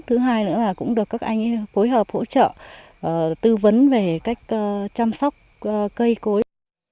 thứ hai nữa là cũng được các anh phối hợp hỗ trợ tư vấn về cách chăm sóc cây cối